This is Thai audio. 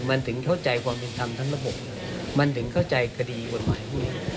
มันถึงเข้าใจความเป็นธรรมทั้งระบบมันถึงเข้าใจคดีกฎหมายพวกนี้